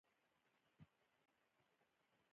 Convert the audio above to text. د مقعد د خارش لپاره د ناریل تېل وکاروئ